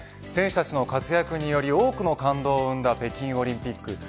選手たちの活躍により多くの感動を生んだ北京オリンピック。